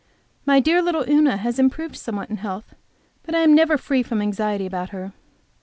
My dear little Una has improved somewhat in health, but I am never free from anxiety about her.